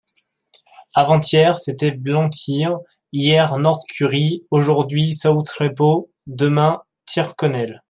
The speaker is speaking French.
Avant-hier c’était Blantyre, hier Northcurry, aujourd’hui South-Reppo, demain Tyrconnel.